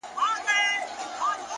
صبر د سختو وختونو توازن ساتي.